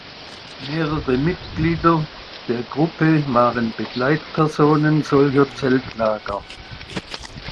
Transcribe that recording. Mehrere Mitglieder der Gruppe waren Begleitpersonen solcher Zeltlager.